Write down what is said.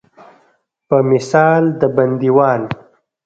په مثال د بندیوان.